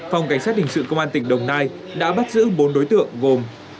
phòng cảnh sát hình sự công an tỉnh đồng nai đã bắt giữ bốn đối tượng gồm